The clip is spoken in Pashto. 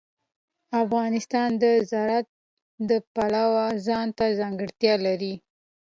افغانستان د زراعت د پلوه ځانته ځانګړتیا لري.